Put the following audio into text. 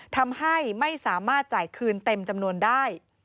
ทำให้ไม่สามารถจ่ายคืนเต็มจำนวนได้